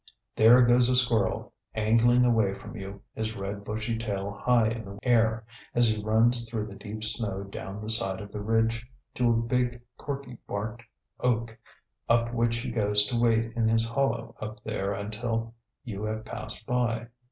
There goes a squirrel, angling away from you, his red bushy tail high in the air as he runs through the deep snow down the side of the ridge to a big, corky barked oak, up which he goes to wait in his hollow up there until you have passed by.